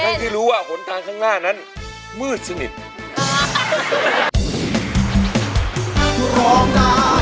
แต่ฉันที่รู้ว่าผลทางข้างหน้านั้นมืดสนิท